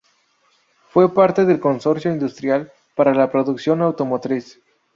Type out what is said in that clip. Fue parte del Consorcio Industrial para la Producción Automotriz.